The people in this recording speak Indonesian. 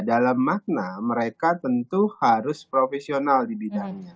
dalam makna mereka tentu harus profesional di bidangnya